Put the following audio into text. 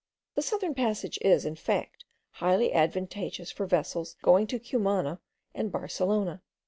The southern passage is, in fact, highly advantageous for vessels going to Cumana and Barcelona.